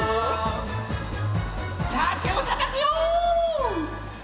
さあてをたたくよ！